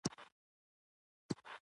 ډګروال ساعت ته کتل او وخت تېرېده